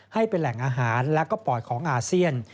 ให้เป็นแหล่งอาหารและก็ปอดของอาเซียน